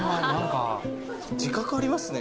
自覚ありますね